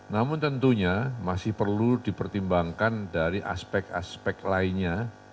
namun tentunya masih perlu dipertimbangkan dari aspek aspek lainnya